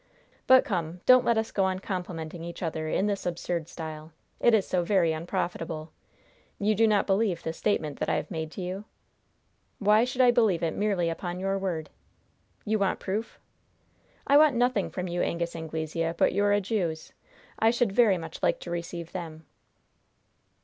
But come. Don't let us go on complimenting each other in this absurd style. It is so very unprofitable. You do not believe the statement that I have made to you?" "Why should I believe it merely upon your word?" "You want proof?" "I want nothing from you, Angus Anglesea, but your adieus. I should very much like to receive them."